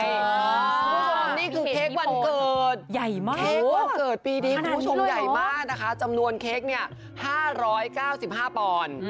นี่คือเค้กวันเกิดเค้กวันเกิดปีดีคุณผู้ชมใหญ่มากนะคะจำนวนเค้ก๕๙๕ปอน